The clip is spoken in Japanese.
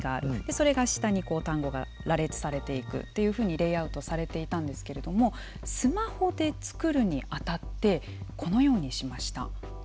それが下に単語が羅列されていくというふうにレイアウトされていたんですけれどもスマホで作るに当たってこのようにしました。